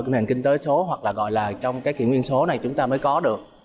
nền kinh tế số hoặc là gọi là trong cái kỷ nguyên số này chúng ta mới có được